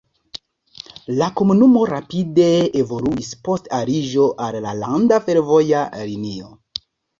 La komunumo rapide evoluis post aliĝo al la landa fervoja linio.